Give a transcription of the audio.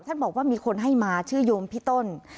ท่านบอกว่ามีคนให้มาชื่อยมพิต้น